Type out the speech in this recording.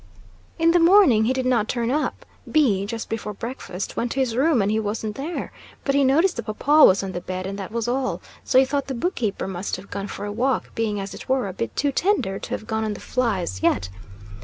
"In the morning time he did not turn up. B , just before breakfast, went to his room and he wasn't there, but he noticed the paw paw was on the bed and that was all, so he thought the book keeper must have gone for a walk, being, as it were, a bit too tender to have gone on the fly as yet.